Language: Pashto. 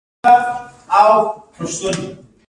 کروندګر د کښت په هره مرحله کې بوخت دی